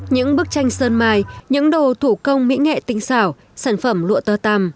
những bức tranh sơn mài những đồ thủ công mỹ nghệ tinh xảo sản phẩm lụa tơ tăm